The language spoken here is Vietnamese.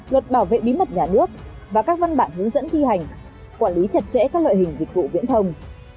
luật bảo vệ bí mật nhà nước và các văn bản hướng dẫn thi hành quản lý chặt chẽ các loại hình dịch vụ viễn thông